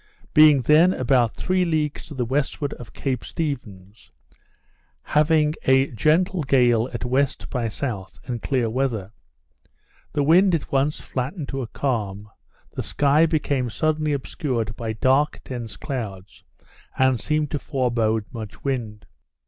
Being then about three leagues to the westward of Cape Stephens; having a gentle gale at west by south, and clear weather, the wind at once flattened to a calm, the sky became suddenly obscured by dark dense clouds, and seemed to forebode much wind.